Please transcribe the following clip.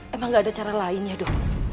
emang gak ada cara lain ya dok